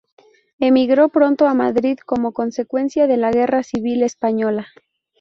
Emigró pronto a Madrid como consecuencia de la Guerra Civil Española.